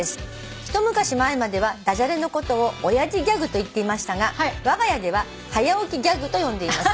「一昔前までは駄じゃれのことを親父ギャグと言っていましたがわが家でははや起きギャグと呼んでいます」